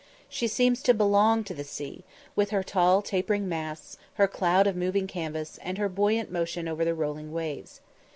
She seems to belong to the sea, with her tall tapering masts, her cloud of moving canvas, and her buoyant motion over the rolling waves.